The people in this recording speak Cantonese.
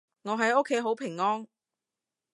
我喺屋企好平安